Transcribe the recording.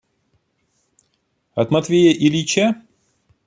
От Матвея Ильича?